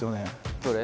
どれ？